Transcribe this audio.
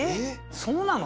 そうなの？